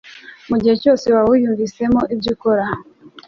Mu gihe cyose waba wiyumvisemo ibyo ukora